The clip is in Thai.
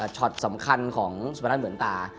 ช็อตสำคัญของสุพนัทเหมือนตา